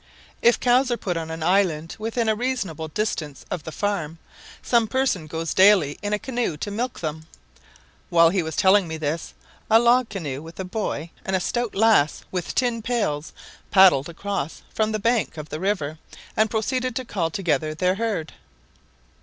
If cows are put on an island within a reasonable distance of the farm, some person goes daily in a canoe to milk them. While he was telling me this, a log canoe with a boy and a stout lass with tin pails, paddled across from the bank of the river, and proceeded to call together their herd.